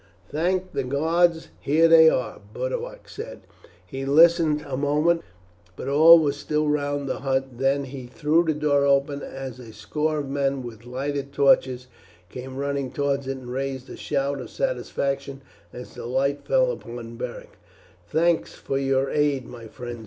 "Thank the gods, here they are!" Boduoc said. He listened a moment, but all was still round the hut; then he threw the door open as a score of men with lighted torches came running towards it, and raised a shout of satisfaction as the light fell upon Beric. "Thanks for your aid, my friends!"